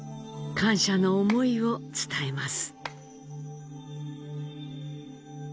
感謝の思いを伝えます。